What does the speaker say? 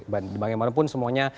dan bagaimanapun semuanya